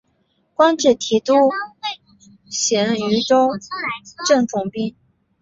官至提督衔徐州镇总兵。